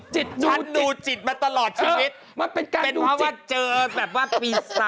ฉันดูจิตมาตลอดชีวิต